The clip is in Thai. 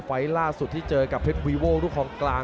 ไฟล์ล่าสุดที่เจอกับเพชรวีโวลูกคลองกลาง